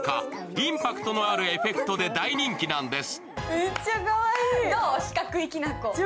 インパクトのあるエフェクトで大人気なんです。